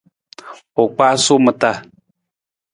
U kpaasu ma taa.